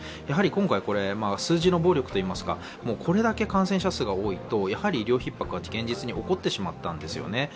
やはり今回数字の暴力といいますかこれだけ感染者数が多いとやはり医療ひっ迫は現実に起こってしまったんですよね。